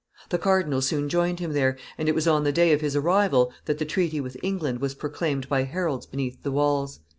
The cardinal soon joined him there, and it was on the day of his arrival that the treaty with England was proclaimed by heralds beneath the walls.